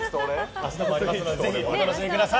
明日もありますのでぜひお楽しみください。